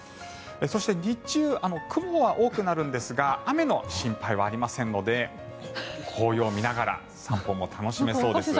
そして日中雲は多くなるんですが雨の心配はありませんので紅葉を見ながら散歩も楽しめそうです。